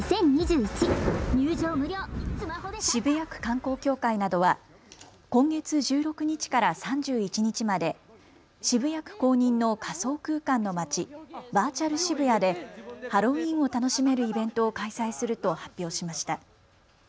渋谷区観光協会などは今月１６日から３１日まで渋谷区公認の仮想空間の街、バーチャル渋谷でハロウィーンを楽しめるイベントを開催すると発表しました。